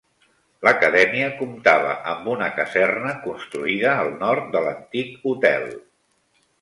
L'Acadèmia comptava amb una caserna construïda al nord de l'antic hotel.